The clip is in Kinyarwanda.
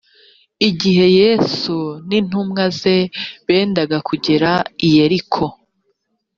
igihe yesu n intumwa ze bendaga kugera i yeriko